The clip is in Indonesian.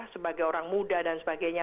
sebagai orang muda dan sebagainya